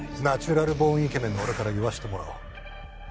ナチュラルボーンイケメンの俺から言わせてもらおう。